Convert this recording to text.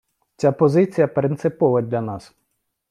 Ця позиція принципова для нас.